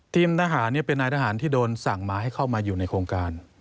ทหารเป็นนายทหารที่โดนสั่งมาให้เข้ามาอยู่ในโครงการ